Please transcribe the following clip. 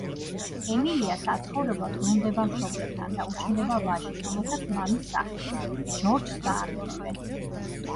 ემილია საცხოვრებლად ბრუნდება მშობლებთან და უჩნდება ვაჟი, რომელსაც მამის სახელს ჯორჯს დაარქმევენ.